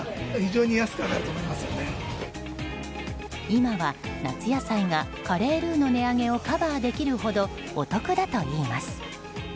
今は夏野菜が、カレールーの値上げをカバーできるほどお得だといいます。